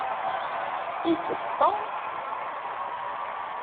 Itess Tom?